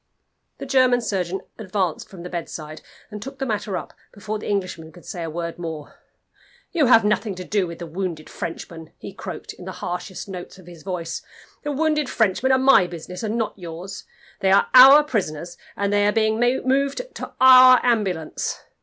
The German surgeon advanced from the bedside, and took the matter up before the Englishman could say a word more. "You have nothing to do with the wounded Frenchmen," he croaked, in the harshest notes of his voice. "The wounded Frenchmen are my business, and not yours. They are our prisoners, and they are being moved to our ambulance.